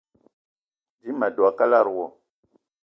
Dím ma dwé a kalada wo